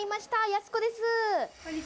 やす子です